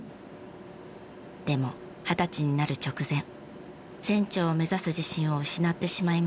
でも二十歳になる直前船長を目指す自信を失ってしまいます。